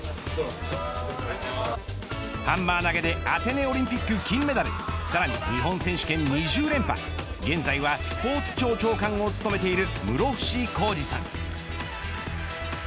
ハンマー投げでアテネオリンピック金メダルさらに日本選手権２０連覇現在はスポーツ庁長官を務めている室伏広治さん。